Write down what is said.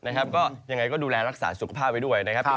ยังไงก็ดูแลรักษาสุขภาพไว้ด้วย